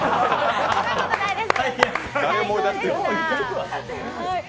そんなことないです。